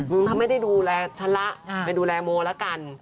มึงเค้าไม่ได้ดูแลฉันล่ะไม่ได้ดูแลโมก็ละกัน